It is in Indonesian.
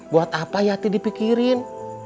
buat apa yati dipikirin